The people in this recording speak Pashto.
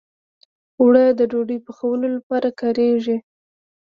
اوړه د ډوډۍ پخولو لپاره کارېږي